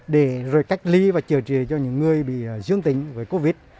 để rồi cách ly và chữa trị cho những người bị dương tính với covid